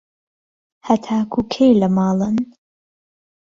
هەتاکوو کەی لە ماڵن؟